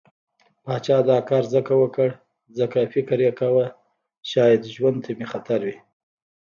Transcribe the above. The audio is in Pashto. پاچا دا کار ځکه وکړ، ځکه فکر يې کوه شايد ژوند ته مې خطر وي.